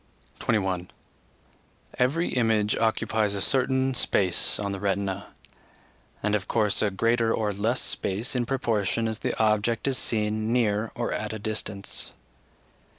21. Every image occupies a certain space on the retina, and of course a greater or less space in proportion as the object is seen near or at a distance.